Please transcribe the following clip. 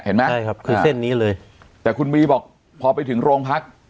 ใช่ครับคือเส้นนี้เลยแต่คุณบีบอกพอไปถึงโรงพัก